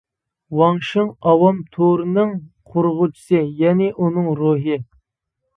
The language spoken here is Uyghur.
ۋاڭ شىڭ ئاۋام تورىنىڭ قۇرغۇچىسى، يەنە ئۇنىڭ روھى.